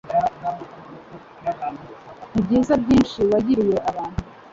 rw’ibyiza byinshi wagiriye abantu